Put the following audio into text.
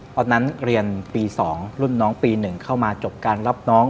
ตอนนั้นเรียนปี๒รุ่นน้องปี๑เข้ามาจบการรับน้อง